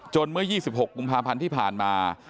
เมื่อ๒๖กุมภาพันธ์ที่ผ่านมา